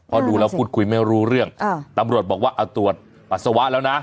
พอดูแล้วพูดคุยไม่รู้เรื่องตำรวจบอกว่าเอาตรวจปัสสาวะแล้วนะ